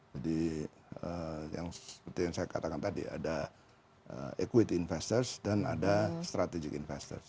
jadi yang seperti yang saya katakan tadi ada equity investors dan ada strategic investors